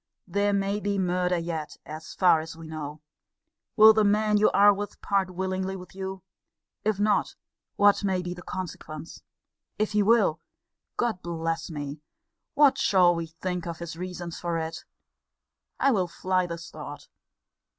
There may be murder yet, as far as we know. Will the man you are with part willingly with you? If not, what may be the consequence? If he will Lord bless me! what shall we think of his reasons for it? I will fly this thought.